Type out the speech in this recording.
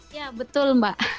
iya betul mbak